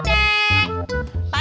kayak panduan suara